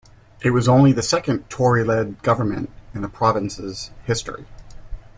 It was only the second Tory-led government in the province's history.